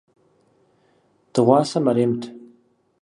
Дыгъуасэ мэремт.